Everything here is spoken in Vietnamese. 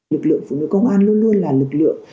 lực lượng phụ nữ công an luôn luôn là lực lượng